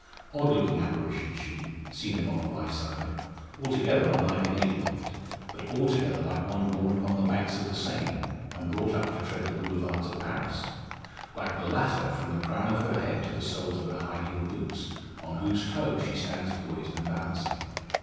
Odd looking apparition she, seen upon the Wyeside; altogether unlike a native of it, but altogether like one born upon the banks of the Seine, and brought up to tread the Boulevards of Paris like the latter from the crown of her head to the soles of her high heeled boots, on whose toes she stands poised and balancing.